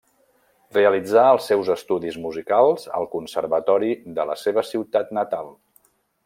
Realitzà els seus estudis musicals al Conservatori de la seva ciutat natal.